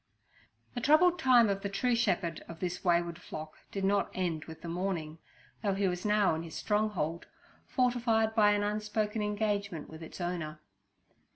The troubled time of the true shepherd of this wayward flock did not end with the morning, though he was now in his stronghold, fortified by an unspoken engagement with its owner.